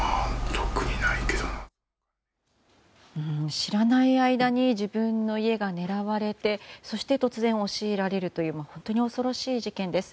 知らない間に自分の家が狙われてそして、突然押し入られるという本当に恐ろしい事件です。